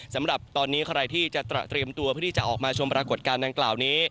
สำหรับตอนนี้ใครที่จะเตรียมตัวเพื่อที่จะออกมาชมปรากฏการณ์ดังกล่าวนี้